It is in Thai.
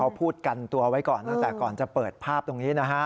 เขาพูดกันตัวไว้ก่อนตั้งแต่ก่อนจะเปิดภาพตรงนี้นะฮะ